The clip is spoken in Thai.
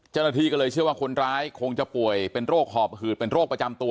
เจ้าหน้าที่ก็เลยเชื่อว่าคนร้ายคงจะป่วยเป็นโรคหอบหืดเป็นโรคประจำตัว